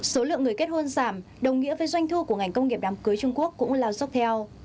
số lượng người kết hôn giảm đồng nghĩa với doanh thu của ngành công nghiệp đám cưới trung quốc cũng lao dốc theo